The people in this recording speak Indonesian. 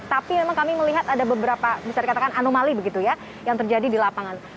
tapi memang kami melihat ada beberapa bisa dikatakan anomali begitu ya yang terjadi di lapangan